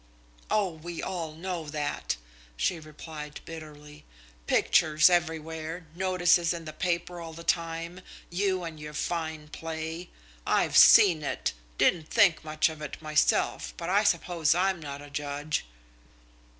"Oh, we all know that!" she replied bitterly. "Pictures everywhere, notices in the paper all the time you and your fine play! I've seen it. Didn't think much of it myself, but I suppose I'm not a judge."